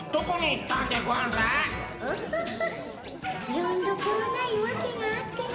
よんどころないわけがあっての。